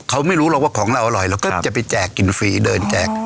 เขาไม่รู้หรอกว่าของเราอร่อยเราก็จะไปแจกกินฟรีเดินแจก